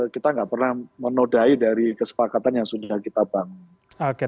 kita nggak pernah menodai dari kesepakatan yang sudah kita bangun